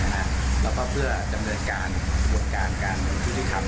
แล้วก็เพื่อดำเนินการประบวนการการลงที่ที่ทำ